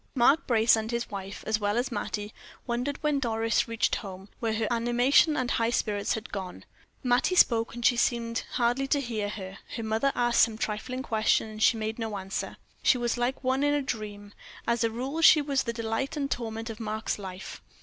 Mark Brace and his wife, as well as Mattie, wondered when Doris reached home, where her animation and high spirits had gone. Mattie spoke, and she seemed hardly to hear her; her mother asked her some trifling question and she made no answer. She was like one in a dream. As a rule she was the delight and torment of Mark's life.